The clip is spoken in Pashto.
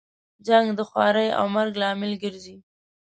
جنګ د خوارۍ او مرګ لامل ګرځي.